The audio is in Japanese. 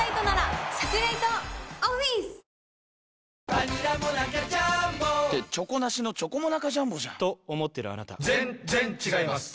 バニラモナカジャーンボって「チョコなしのチョコモナカジャンボ」じゃんと思ってるあなた．．．ぜんっぜんっ違います